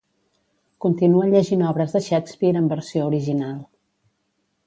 Continua llegint obres de Shakespeare en versió original.